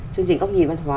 chương trình ốc nhìn văn hóa